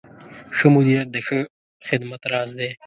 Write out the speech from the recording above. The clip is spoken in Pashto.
ښه مدیریت د ښه خدمت راز دی.